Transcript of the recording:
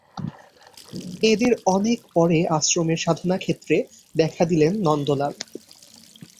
এঁদের অনেক পরে আশ্রমের সাধনাক্ষেত্রে দেখা দিলেন নন্দলাল।